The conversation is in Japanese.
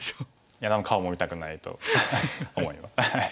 いや顔も見たくないと思います。